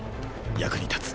役に立つ。